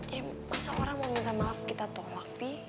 ya masa orang mau minta maaf kita tolak